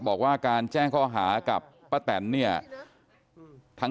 บอกว่าการแจ้งเขาหากับปะแตน